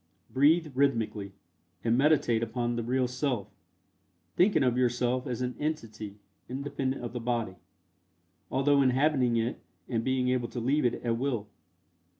Breathe rhythmically, and meditate upon the real Self, thinking of yourself as an entity independent of the body, although inhabiting it and being able to leave it at will.